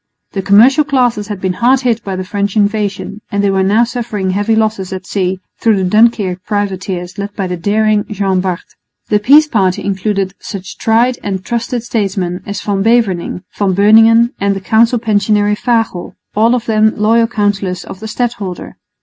The commercial classes had been hard hit by the French invasion, and they were now suffering heavy losses at sea through the Dunkirk privateers led by the daring Jean Bart. The peace party included such tried and trusted statesmen as Van Beverningh, Van Beuningen and the Council Pensionary Fagel, all of them loyal counsellors of the stadholder.